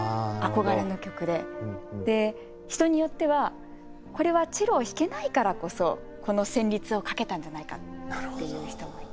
で人によってはこれはチェロを弾けないからこそこの旋律を書けたんじゃないかっていう人もいて。